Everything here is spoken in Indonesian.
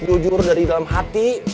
jujur dari dalam hati